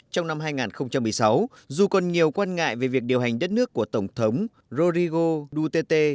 trong năm hai nghìn một mươi sáu dù còn nhiều quan ngại về việc điều hành đất nước của tổng thống rorigo duterte